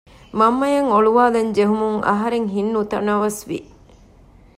މަންމައަށް އޮޅުވާލަން ޖެހުމުން އަހަރެންގެ ހިތް ނުތަނަވަސް ވި